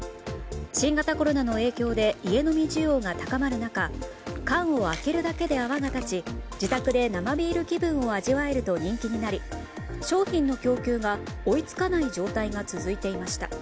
新型コロナの影響で家飲み需要が高まる中缶を開けるだけで泡が立ち自宅で生ビール気分を味わえると人気になり、商品の供給が追いつかない状態が続いていました。